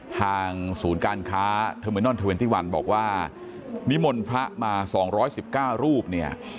ทางศูนย์การค้าเทอมินอล๒๑บอกว่านิมลพระมา๒๑๙รูปเนี่ย